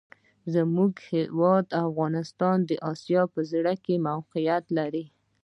زموږ هېواد افغانستان د آسیا په زړه کي موقیعت لري.